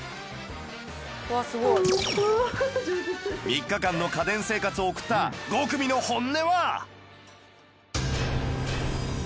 うわあすごい！３日間の家電生活を送った５組の本音は？